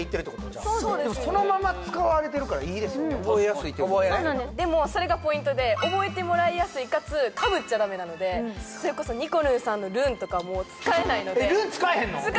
じゃあそのまま使われてるからいいですよね覚えやすいってことでねでもそれがポイントで覚えてもらいやすいかつかぶっちゃダメなのでそれこそにこるんさんの「るん」とかも使えないのでえっ